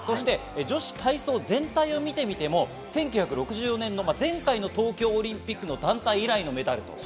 女子体操全体を見てみても、１９６４年の前回の東京オリンピックの団体以来のメダルです。